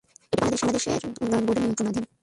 এটি বাংলাদেশ বিদ্যুৎ উন্নয়ন বোর্ডের নিয়ন্ত্রণাধীন।